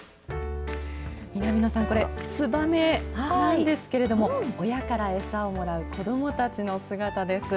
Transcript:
南野さん、これ、ツバメなんですけれども、親から餌をもらう子どもたちの姿です。